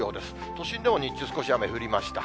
都心でも日中、少し雨降りました。